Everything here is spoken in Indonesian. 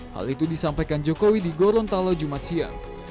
hal itu disampaikan jokowi di gorontalo jumat siang